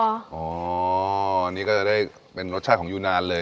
อันนี้ก็จะได้เป็นรสชาติของยูนานเลย